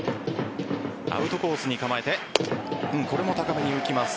アウトコースに構えてこれも高めに浮きます。